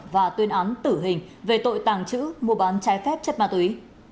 và tuyên án tử hình về tội tàng trữ mua bán trái phép chất ma túy